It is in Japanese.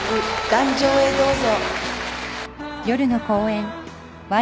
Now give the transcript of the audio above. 壇上へどうぞ。